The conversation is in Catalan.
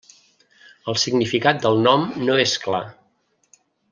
El significat del nom no és clar.